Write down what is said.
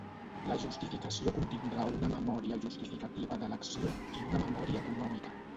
La justificació contindrà una memòria justificativa de l'acció i una memòria econòmica.